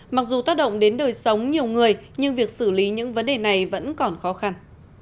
mặc dù tác động đến đời sống nhiều người nhưng việc xử lý những vấn đề này vẫn còn khó khăn